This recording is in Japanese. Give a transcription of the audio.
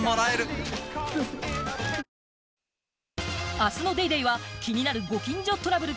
明日の『ＤａｙＤａｙ．』は気になるご近所トラブル。